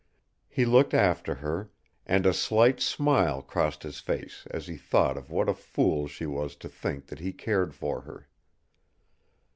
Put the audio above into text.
He looked after her, and a slight smile crossed his face as he thought of what a fool she was to think that he cared for her.